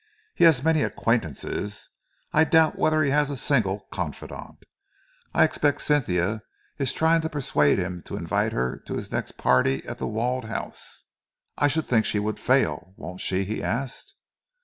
"He has many acquaintances. I doubt whether he has a single confidant. I expect Cynthia is trying to persuade him to invite her to his next party at The Walled House." "I should think she would fail, won't she?" he asked.